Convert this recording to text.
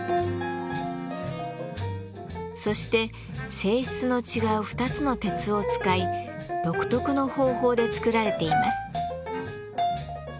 そして性質の違う２つの鉄を使い独特の方法で作られています。